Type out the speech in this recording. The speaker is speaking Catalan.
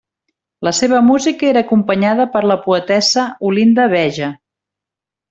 La seva música era acompanyada per la poetessa Olinda Beja.